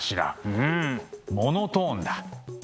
うんモノトーンだ。